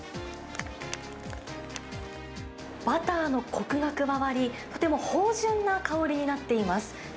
バターのこくが加わり、とても芳じゅんな香りになっています。